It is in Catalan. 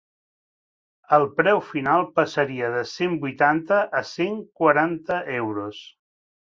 El preu final passaria de cent vuitanta a cent quaranta euros.